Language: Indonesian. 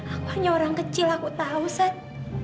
aku hanya orang kecil aku tau sat